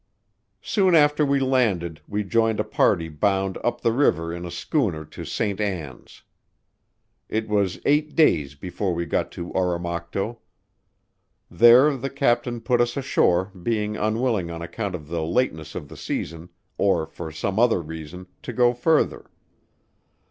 Soon after we landed we joined a party bound up the river in a schooner to St. Ann's. It was eight days before we got to Oromocto. There the Captain put us ashore being unwilling on account of the lateness of the season, or for some other reason, to go further.